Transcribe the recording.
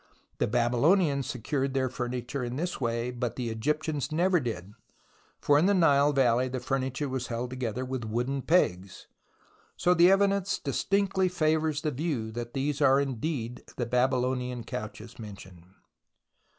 The Babylonians secured their furniture in this way, but the Egyptians never did, for in the Nile valley the furniture was held together with wooden pegs ; so the evidence distinctly favours the view that these are indeed the Babylonian couches mentioned.